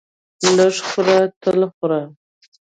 لږ خوره تل خوره!